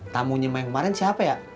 tamunya kemarin siapa ya